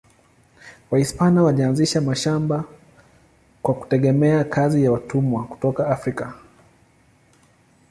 Wahispania walianzisha mashamba kwa kutegemea kazi ya watumwa kutoka Afrika.